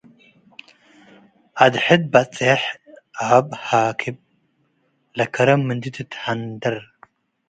አድ-ሕድ በጽሕ ኣብ ሃክብ - ለከረም ምንዲ ትትሀንደር